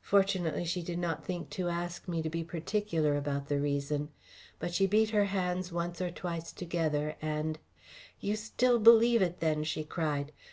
Fortunately, she did not think to ask me to be particular about the reason. But she beat her hands once or twice together, and "You still believe it, then!" she cried.